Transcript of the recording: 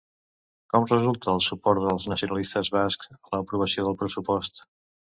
Com resulta el suport dels nacionalistes bascs per a l'aprovació del pressupost?